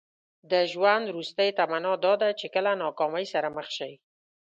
د ژوند وروستۍ تمنا ده چې کله ناکامۍ سره مخ شئ.